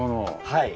はい。